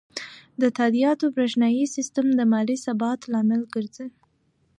د تادیاتو بریښنایی سیستم د مالي ثبات لامل ګرځي.